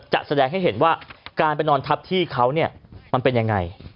แสดงให้เห็นว่าการไปนอนทับที่เขาเนี่ยมันเป็นยังไง